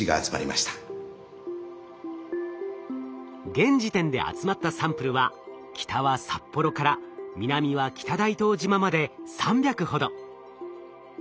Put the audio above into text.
現時点で集まったサンプルは北は札幌から南は北大東島まで３００ほど。